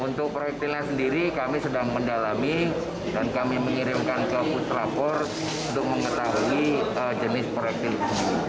untuk proyektilnya sendiri kami sedang mendalami dan kami mengirimkan ke puslapor untuk mengetahui jenis proyektil